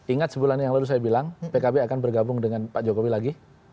ingat sebulan yang lalu saya bilang pkb akan bergabung dengan pak jokowi lagi